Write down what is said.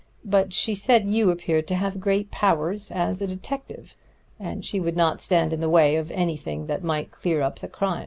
But she said you appeared to have great powers as a detective, and she would not stand in the way of anything that might clear up the crime.